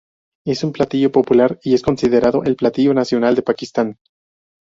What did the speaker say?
Es un platillo popular y es considerado el platillo nacional de Pakistán.